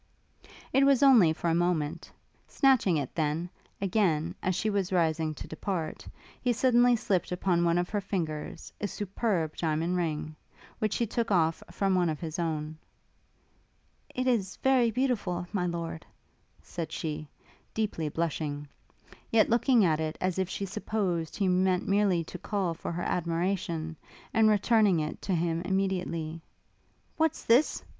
It was only for a moment: snatching, it then, again, as she was rising to depart, he suddenly slipt upon one of her fingers a superb diamond ring, which he took off from one of his own. 'It is very beautiful, My Lord;' said she, deeply blushing; yet looking at it as if she supposed he meant merely to call for her admiration, and returning it to him immediately. 'What's this?'